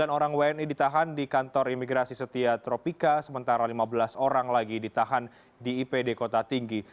sembilan orang wni ditahan di kantor imigrasi setia tropika sementara lima belas orang lagi ditahan di ipd kota tinggi